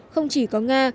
không chỉ có nga